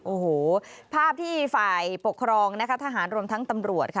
โอ้โหภาพที่ฝ่ายปกครองนะคะทหารรวมทั้งตำรวจค่ะ